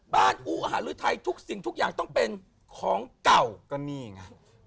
อูอาหารหรือไทยทุกสิ่งทุกอย่างต้องเป็นของเก่าก็นี่ไง